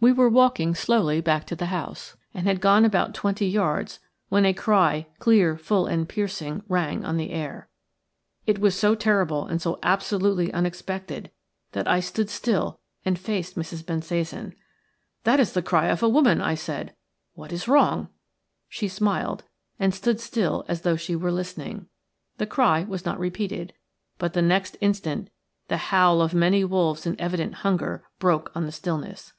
We were walking slowly back to the house, and had gone about twenty yards, when a cry, clear, full, and piercing, rang on the air. It was so terrible and so absolutely unexpected that I stood still and faced Mrs. Bensasan. "That is the cry of a woman," I said. "What is wrong?" She smiled, and stood still as though she were listening. The cry was not repeated, but the next instant the howl of many wolves in evident hunger broke on the stillness.